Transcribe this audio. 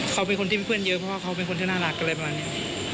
เขาเป็นคนที่มีเพื่อนเยอะเพราะว่าเขาเป็นคนที่น่ารักกันอะไรแบบนี้